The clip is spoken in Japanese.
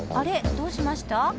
どうしました？